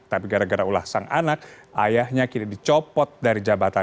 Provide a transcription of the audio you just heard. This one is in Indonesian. tapi gara gara ulah sang anak ayahnya kini dicopot dari jabatan